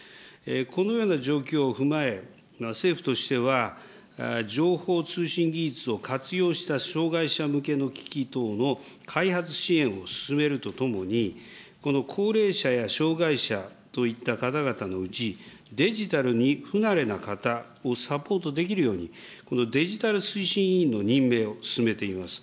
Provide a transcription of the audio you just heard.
このような状況を踏まえ、政府としては、情報通信技術を活用した障害者向けの機器等の開発支援を進めるとともに、この高齢者や障害者といった方々のうち、デジタルに不慣れな方をサポートできるように、このデジタル推進委員の任命を進めています。